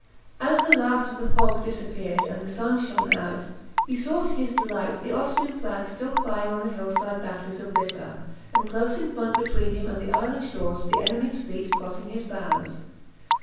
As the last of the fog disappeared and the sun shone out, he saw to his delight the Austrian flag still flying on the hill side batteries of Lissa, and close in front between him and the island shores the enemy's fleet crossing his bows.